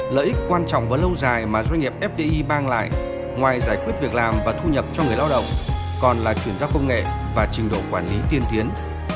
lợi ích quan trọng và lâu dài mà doanh nghiệp fdi bang lại ngoài giải quyết việc làm và thu nhập cho người lao động còn là chuyển giao công nghệ và trình độ quản lý tiên tiến